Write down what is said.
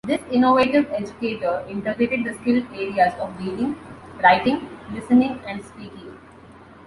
This innovative educator integrated the skill areas of reading, writing, listening and speaking.